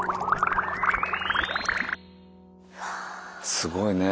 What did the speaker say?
すごいね。